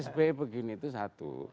sby begini itu satu